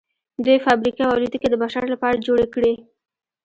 دوی فابریکې او الوتکې د بشر لپاره جوړې کړې